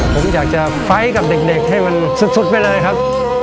ผมอยากจะไฟล์กับเด็กให้มันสุดไปเลยครับ